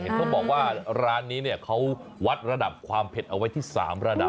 เขาบอกว่าร้านนี้เนี่ยเขาวัดระดับความเผ็ดเอาไว้ที่๓ระดับ